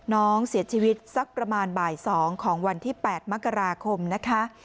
น้องเสียชีวิตสักประมาณบ่าย๒ของวันที่๘มกราคมนะคะ